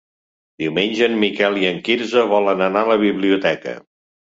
Diumenge en Miquel i en Quirze volen anar a la biblioteca.